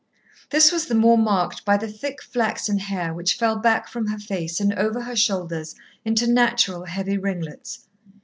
This was the more marked by the thick flaxen hair which fell back from her face, and over her shoulders into natural heavy ringlets.